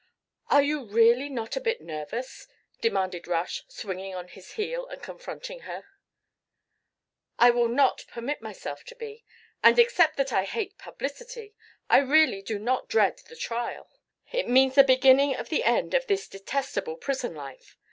"Are you really not a bit nervous?" demanded Rush, swinging on his heel and confronting her. "I will not permit myself to be. And except that I hate publicity, I really do not dread the trial. It means the beginning of the end of this detestable prison life.